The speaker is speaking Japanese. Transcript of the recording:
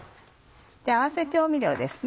合わせ調味料ですね。